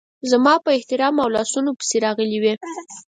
زما په احرام او لاسونو پسې راغلې وې.